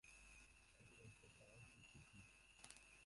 El perpetrador se suicidó.